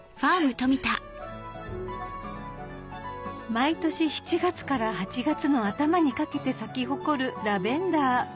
毎年７月から８月の頭にかけて咲き誇るラベンダー